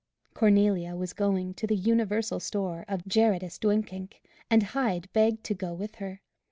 Cornelia was going to the "Universal Store" of Gerardus Duyckinck, and Hyde begged to go with her.